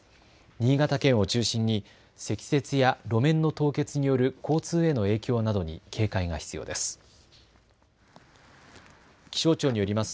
新潟県を中心に積雪や路面の凍結による交通への影響などに警戒が必要です。